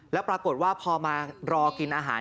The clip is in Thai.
แล้วปรากฏว่าพอมารอกินอาหาร